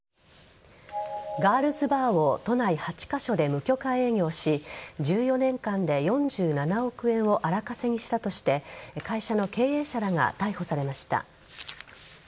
ガールズバーを都内８カ所で無許可営業し１４年間で４７億円を荒稼ぎしたとして会社の経営者らが逮捕されました。